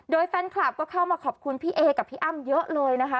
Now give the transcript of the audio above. โดยแฟนคลับก็เข้ามาขอบคุณพี่เอกับพี่อ้ำเยอะเลยนะคะ